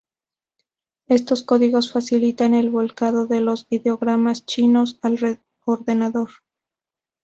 Estos códigos facilitan el volcado de los ideogramas chinos al ordenador.